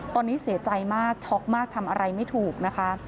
ตอนนี้เสียใจมากช็อกมากทำอะไรไม่ถูกนะคะ